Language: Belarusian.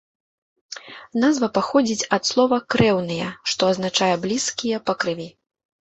Назва паходзіць ад слова крэўныя, што азначае блізкія па крыві.